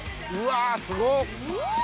うわすごっ！